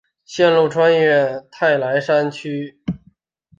线路穿越泰莱山区和到达淄博丘陵地带。